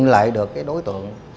để tìm lại được đối tượng